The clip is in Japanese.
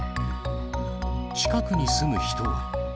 近くに住む人は。